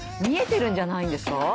見えてるんじゃないんですか？